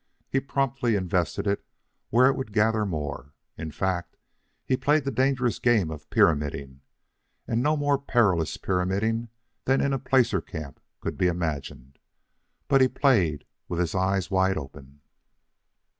He promptly invested it where it would gather more. In fact, he played the dangerous game of pyramiding, and no more perilous pyramiding than in a placer camp could be imagined. But he played with his eyes wide open.